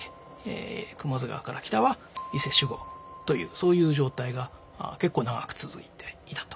雲出川から北は伊勢守護というそういう状態が結構長く続いていたと。